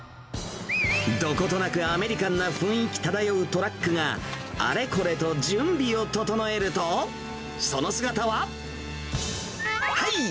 どことなくアメリカンな雰囲気漂うトラックが、あれこれと準備を整えると、その姿は、はい！